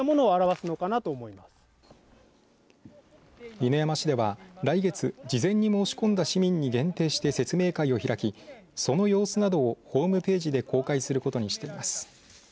犬山市では来月、事前に申し込んだ市民に限定して説明会を開きその様子などをホームページで公開することにしています。